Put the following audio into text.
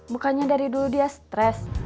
bukannya dari dulu dia stres